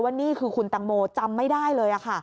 นี่คือคุณตังโมจำไม่ได้เลย